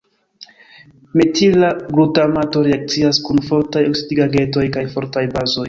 Metila glutamato reakcias kun fortaj oksidigagentoj kaj fortaj bazoj.